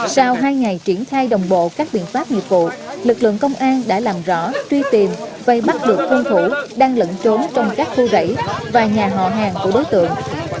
sau hai ngày triển khai đồng bộ các biện pháp nghiệp vụ lực lượng công an đã làm rõ truy tìm vây bắt được hung thủ đang lẫn trốn trong các khu rẫy và nhà họ hàng của đối tượng